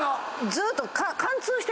ずーっと。